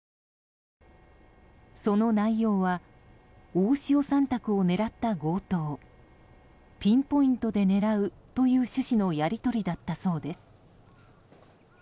その内容は大塩さん宅を狙った強盗ピンポイントで狙うという趣旨のやり取りだったそうです。